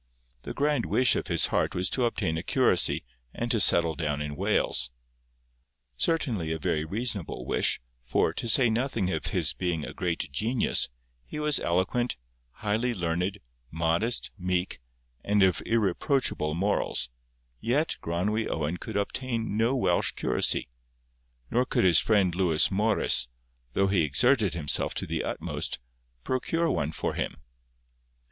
The grand wish of his heart was to obtain a curacy, and to settle down in Wales. Certainly a very reasonable wish, for, to say nothing of his being a great genius, he was eloquent, highly learned, modest, meek, and of irreproachable morals; yet Gronwy Owen could obtain no Welsh curacy, nor could his friend Lewis Morris, though he exerted himself to the utmost, procure one for him.